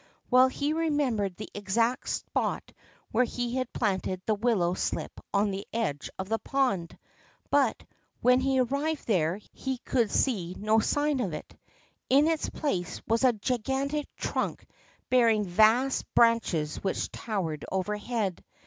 Well he remembered the exact spot where he had planted the willow slip on the edge of the pond, but, when he arrived there, he could see no sign of it. In its place was a gigantic trunk bearing vast branches which towered overhead.